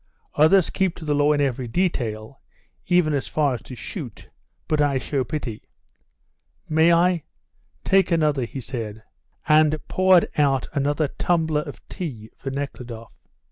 Others keep to the law in every detail, even as far as to shoot, but I show pity. May I? Take another," he said, and poured out another tumbler of tea for Nekhludoff.